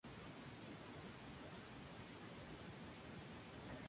Es la capital de la provincia de Java Central.